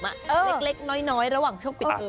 เล็กน้อยระหว่างช่วงปิดเทอม